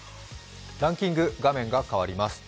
ランキング画面が変わります。